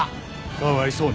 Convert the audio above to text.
かわいそうに。